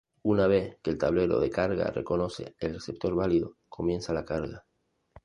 Una vez que el tablero de carga reconoce el receptor válido, comienza la carga.